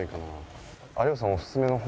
有吉さんおすすめの方。